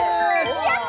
やった！